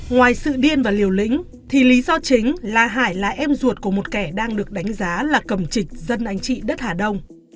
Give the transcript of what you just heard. ngoài sự điên và liều lĩnh thì lý do chính là hải là em ruột của một kẻ đang được đánh giá là cầm trịch dân anh chị đất hà đông